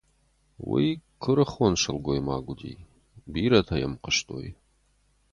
Уый куырыхон сылгоймаг уыди. Бирӕтӕ йӕм хъуыстой.